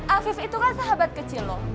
afif itu kan sahabat kecil loh